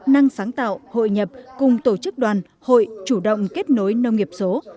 năng sáng tạo hội nhập cùng tổ chức đoàn hội chủ động kết nối nông nghiệp số